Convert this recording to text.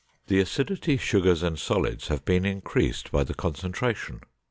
The acidity, sugars, and solids have been increased by the concentration.